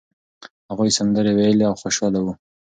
هغوی سندرې ویلې او خوشاله وو.